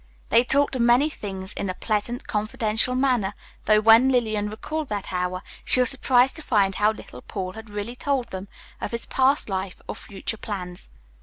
They talked of many things in a pleasant, confidential manner, though when Lillian recalled that hour, she was surprised to find how little Paul had really told them of his past life or future plans.